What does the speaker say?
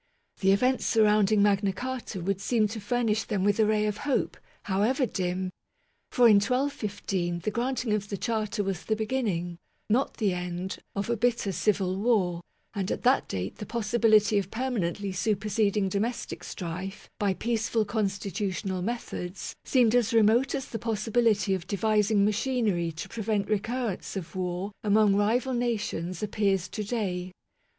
The events surrounding Magna Carta would seem to furnish them with a ray of hope, however dim ; for, in 1215, the granting of the Charter was the beginning, not the end, of a bitter Civil War ; and at that date the possibility of permanently superseding domestic strife by peaceful constitutional methods seemed as remote as the possibility of devising machinery to prevent recurrence of war among rival nations ap pears to day.